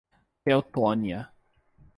Teutônia